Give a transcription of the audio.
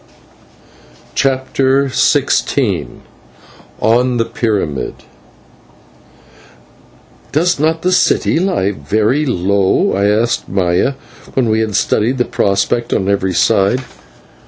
CHAPTER XVI ON THE PYRAMID "Does not the city lie very low?" I asked of Maya, when we had studied the prospect on every side.